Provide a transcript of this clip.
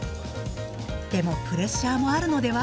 でもプレッシャーもあるのでは？